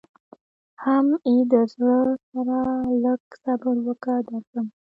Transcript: حم ای د زړه سره لږ صبر وکه درځم.